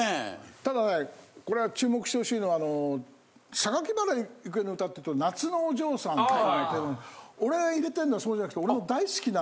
ただねこれが注目してほしいのは榊原郁恵の歌っていうと『夏のお嬢さん』。ああ。俺が入れてるのはそうじゃなくて俺の大好きな。